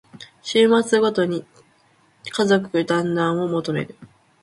週末ごとに家族だんらんを求める